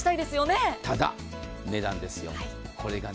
ただ、値段ですよ、これがね